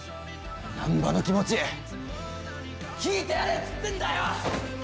難破の気持ち聞いてやれっつってんだよ！